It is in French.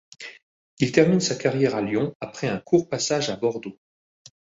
Il termine sa carrière à Lyon après un court passage à Bordeaux.